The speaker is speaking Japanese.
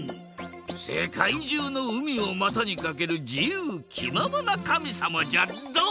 せかいじゅうの海をまたにかけるじゆうきままなかみさまじゃドン！